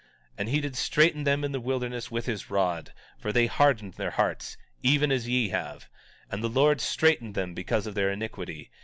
17:41 And he did straiten them in the wilderness with his rod; for they hardened their hearts, even as ye have; and the Lord straitened them because of their iniquity.